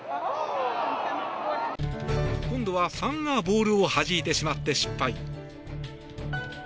今度はファンがボールをはじいてしまって失敗。